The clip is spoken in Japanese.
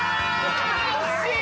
惜しい。